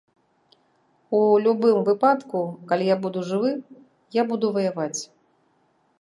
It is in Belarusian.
У любым выпадку, калі я буду жывы, я буду ваяваць.